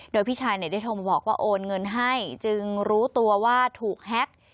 โดยพี่ชายได้โทรมาบอกว่าโอนเงินให้จึงรู้ตัวว่าถูกแฮ็ก